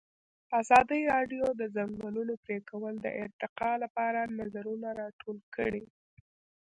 ازادي راډیو د د ځنګلونو پرېکول د ارتقا لپاره نظرونه راټول کړي.